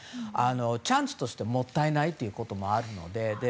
チャンスとしてもったいないということもあるので。